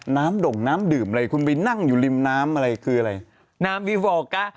ด่งน้ำดื่มอะไรคุณไปนั่งอยู่ริมน้ำอะไรคืออะไรน้ำวิวอร์กะ